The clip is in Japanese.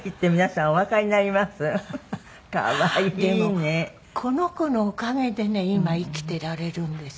でもこの子のおかげでね今生きていられるんです。